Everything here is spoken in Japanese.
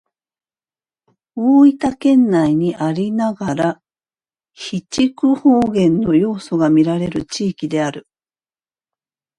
大分県内にありながら肥筑方言の要素がみられる地域である。